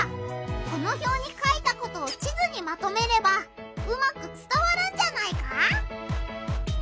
このひょうに書いたことを地図にまとめればうまくつたわるんじゃないか？